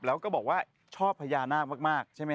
แล้วก็บอกว่าชอบพญานาคมากใช่ไหมฮ